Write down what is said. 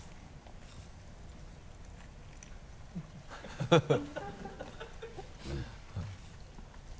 ハハハ